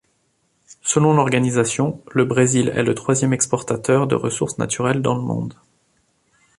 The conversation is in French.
Selon l'organisation, le Brésil est le troisième exportateur de ressources naturelles dans le monde.